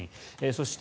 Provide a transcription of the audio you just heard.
そして、